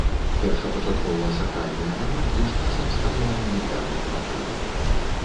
Першапачаткова сакральныя малюнкі з часам сталі арнаментальным матывам.